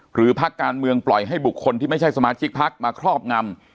พักการเมืองปล่อยให้บุคคลที่ไม่ใช่สมาชิกพักมาครอบงำ